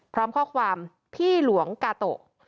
พร้อมข้อความพี่หลวงกาโตะ